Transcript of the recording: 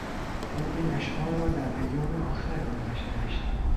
او این اشعار را در ایام آخر عمرش نوشت.